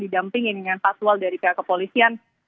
didampingi dengan patwal dari pihak kepolisian